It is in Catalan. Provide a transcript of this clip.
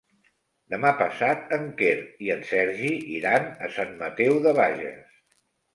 Demà passat en Quer i en Sergi iran a Sant Mateu de Bages.